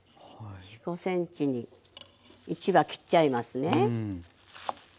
４５ｃｍに１ワ切っちゃいますね。